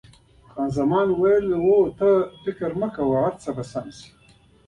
خان زمان وویل: هو، خو ته تشویش مه کوه، هر څه به سم شي.